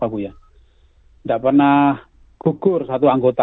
tidak pernah gugur satu anggota